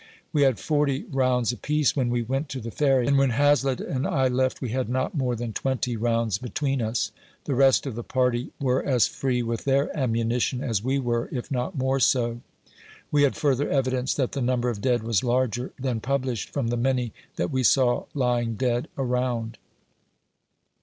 We had forty rounds apiece when we went to the Ferry, and when Hazlett and I left, we had not more than twenty rounds between us. The rest of the party were as free with their ammunition as we were, if not more so. We had further evidence that the number of dead was larger than published, from the many that we saw lying dead around.